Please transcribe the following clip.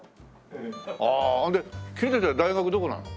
ああで君たちは大学どこなの？